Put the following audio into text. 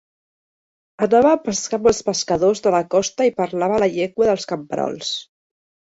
Anava a pescar amb els pescadors de la costa i parlava la llengua dels camperols.